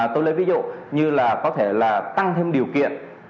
tôi lấy ví dụ như là có thể là tăng thêm điều kiện